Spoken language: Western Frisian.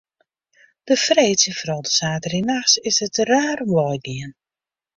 De freeds en foaral de saterdeitenachts is it der raar om wei gien.